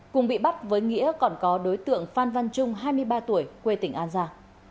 cùng bị bắt với nghĩa còn có đối tượng phan văn trung hai mươi ba tuổi quê tỉnh an giang